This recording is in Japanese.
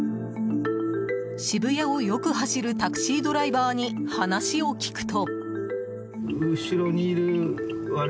渋谷をよく走るタクシードライバーに話を聞くと。